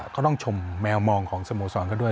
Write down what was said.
ก็ต้องชมแมวมองของสโมสรเขาด้วย